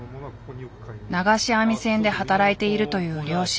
流し網船で働いているという漁師。